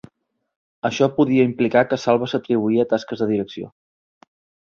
Això podia implicar que Salva s'atribuïa tasques de direcció.